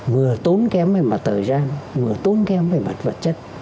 vừa tốn kém về mặt thời gian vừa tốn kém về mặt vật chất